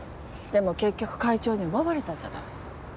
でも結局会長に奪われたじゃない。